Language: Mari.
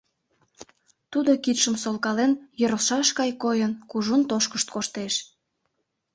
Тудо, кидшым солкален, йӧрлшаш гай койын, кужун тошкышт коштеш.